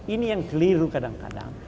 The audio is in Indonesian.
ini yang keliru kadang kadang